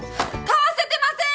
かわせてません！